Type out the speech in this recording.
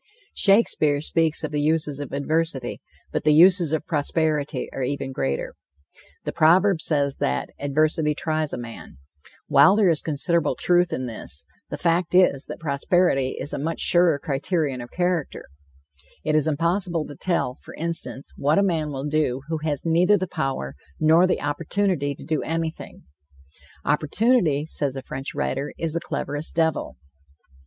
Shakespeare speaks of the uses of adversity; but the uses of prosperity are even greater. The proverb says that "adversity tries a man." While there is considerable truth in this, the fact is that prosperity is a much surer criterion of character. It is impossible to tell, for instance, what a man will do who has neither the power nor the opportunity to do anything. "Opportunity," says a French writer, "is the cleverest devil."